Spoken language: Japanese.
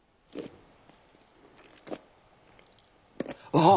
あっ！